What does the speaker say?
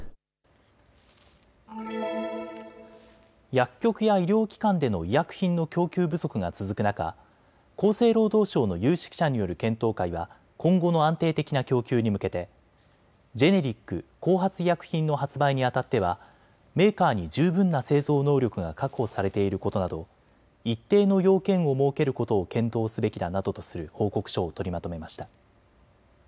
薬局や医療機関での医薬品の供給不足が続く中、厚生労働省の有識者による検討会は今後の安定的な供給に向けてジェネリック・後発医薬品の発売にあたってはメーカーに十分な製造能力が確保されていることなど一定の要件を設けることを検討すべきだなどとする報告書を取りまとめました。